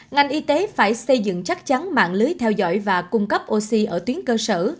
ngành y tế phải xây dựng chắc chắn mạng lưới theo dõi và cung cấp oxy ở tuyến cơ sở